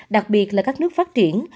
đặc biệt là các nước phát triển